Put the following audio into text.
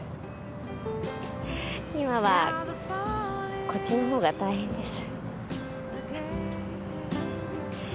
今はこっちのほうが大変です。